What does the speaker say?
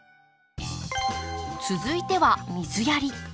続いては水やり。